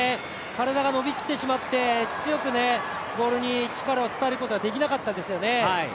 体が伸びきってしまって、強くボールに力を伝えることができなかったですね。